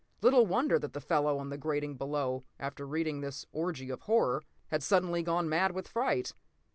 Little wonder that the fellow on the grating below, after reading this orgy of horror, had suddenly gone mad with fright.